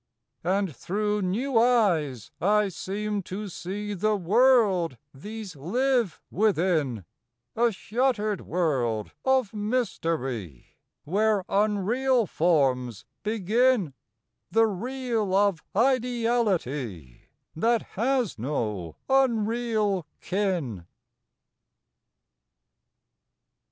And through new eyes I seem to see The world these live within, A shuttered world of mystery, Where unreal forms begin The real of ideality That has no unreal kin.